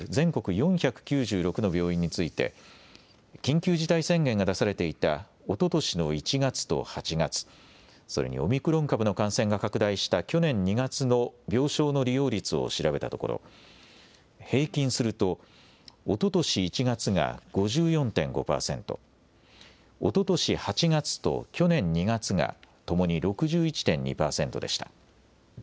４９６の病院について緊急事態宣言が出されていたおととしの１月と８月、それにオミクロン株の感染が拡大した去年２月の病床の利用率を調べたところ平均するとおととし１月が５４．５％、おととし８月と去年２月がともに６１．２％でした。